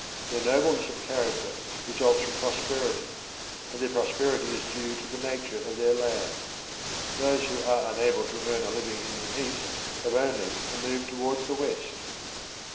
Their nobleness of character results from prosperity; and their prosperity is due to the nature of their land. Those who are unable to earn a living in the east, have only to move towards the west.